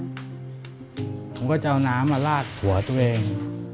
ผมก็จะเอาน้ำมาลาดหัวตัวเอง